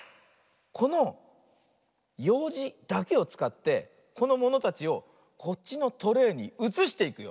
このようじだけをつかってこのものたちをこっちのトレーにうつしていくよ。